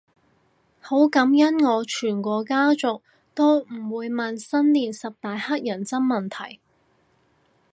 好感恩我全個家族都唔會問新年十大乞人憎問題